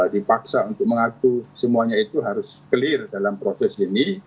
dipaksa untuk mengaku semuanya itu harus clear dalam proses ini